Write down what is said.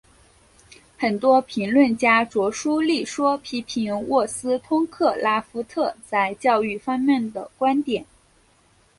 很多评论家着书立说批评沃斯通克拉夫特在教育方面的观点。